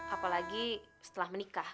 apalagi setelah menikah